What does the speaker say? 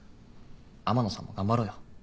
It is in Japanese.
天野さんも頑張ろうよ。